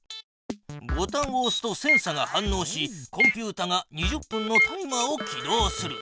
ボタンをおすとセンサが反のうしコンピュータが２０分のタイマーを起動する。